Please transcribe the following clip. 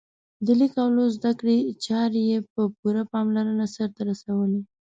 د لیک او لوست زده کړې چارې یې په پوره پاملرنه سرته رسولې.